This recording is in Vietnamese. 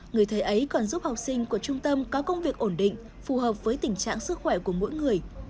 người thầy ấy còn giúp học sinh của trung tâm có công việc ổn định phù hợp với tình trạng sức khỏe của mỗi người